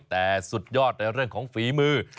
แต่สุดยอดในเรื่องของฝีมือ